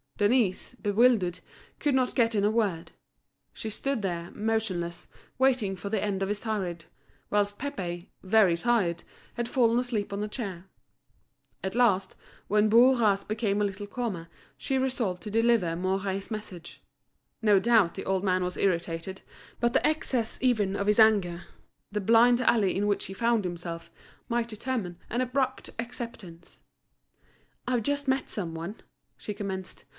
Denise, bewildered, could not get in a word. She stood there, motionless, waiting for the end of his tirade; whilst Pépé, very tired, had fallen asleep on a chair. At last, when Bourras became a little calmer, she resolved to deliver Mouret's message. No doubt the old man was irritated, but the excess even of his anger, the blind alley in which he found himself, might determine an abrupt acceptance. "I've just met some one," she commenced.